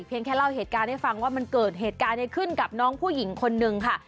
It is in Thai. แค่เล่าเหตุการณ์ให้ฟังว่ามันเกิดเหตุการณ์ในขึ้นกับน้องผู้หญิงคนนึงค่ะ